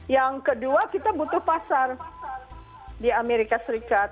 yang kedua kita butuh pasar di amerika serikat